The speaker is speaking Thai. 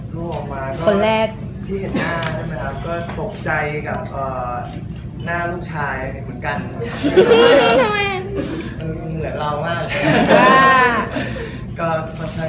ลูกออกมาก็ตกใจกับหน้าลูกชายเหมือนกันเหมือนเรามากเลยนะครับ